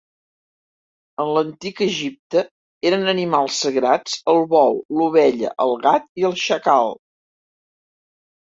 En l'Antic Egipte eren animals sagrats el bou, l'ovella, el gat i el xacal.